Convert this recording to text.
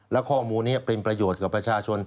และข้อมูลนี้เป็นประโยชน์กับประชาชน